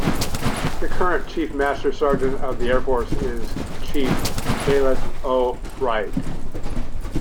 The current Chief Master Sergeant of the Air Force is Chief Kaleth O. Wright.